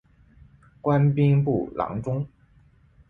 官兵部郎中。